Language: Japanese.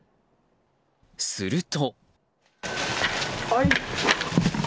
すると。